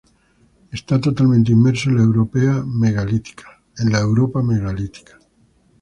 Está totalmente inmerso en la Europa megalítica.